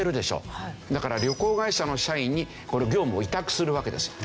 だから旅行会社の社員にこの業務を委託するわけです。